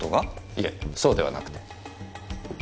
いいえそうではなくて。